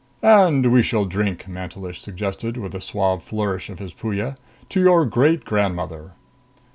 "And we shall drink," Mantelish suggested, with a suave flourish of his Puya, "to your great grandmother!"